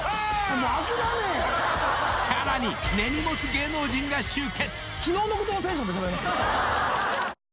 更に、根に持つ芸能人が集結。